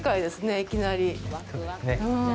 いきなり。